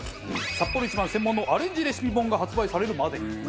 サッポロ一番専門のアレンジレシピ本が発売されるまでに。